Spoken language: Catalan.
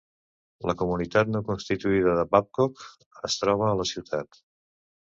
La comunitat no constituïda de Babcock es troba a la ciutat.